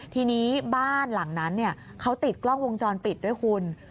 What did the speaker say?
ทีนี้บ้านหลังนั้นเขาติดกล้องวงจรปิดด้วยคุณ